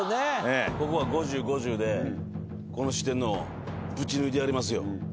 ここは５０５０でこの四天王ぶち抜いてやりますよ。